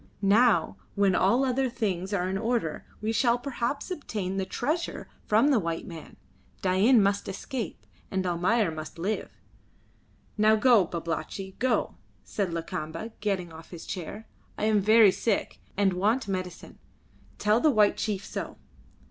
Now, when all other things are in order, we shall perhaps obtain the treasure from the white man. Dain must escape, and Almayer must live." "Now go, Babalatchi, go!" said Lakamba, getting off his chair. "I am very sick, and want medicine. Tell the white chief so."